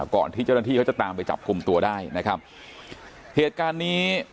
ก่อนที่เจ้าหน้าที่เขาจะตามไปจับกลุ่มตัวได้นะครับเหตุการณ์นี้